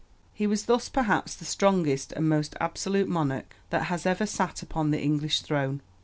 He was thus perhaps the strongest and most absolute monarch that has ever sat upon the English throne.